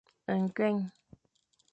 Nkueng.